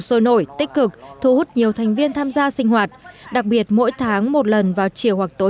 sôi nổi tích cực thu hút nhiều thành viên tham gia sinh hoạt đặc biệt mỗi tháng một lần vào chiều hoặc tối